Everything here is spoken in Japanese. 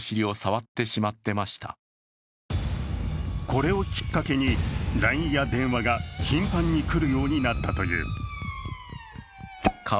これをきっかけにＬＩＮＥや電話が頻繁に来るようになったという。